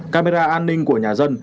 camera an ninh của nhà dân